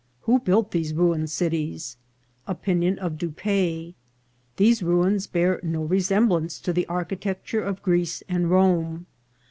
— Who built these ruined Cities ?— Opinion of Dupaix.— These Ruins bear no Resemblance to the Architecture of Greece and Rome.